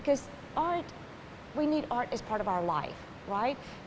karena kita butuh seni sebagai bagian dari hidup kita bukan